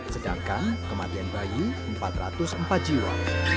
sedangkan kematian bayi empat ratus empat jiwa